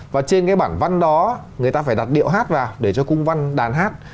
và trên cái bản văn đó người ta phải đặt điệu hát vào để cho cung văn đàn hát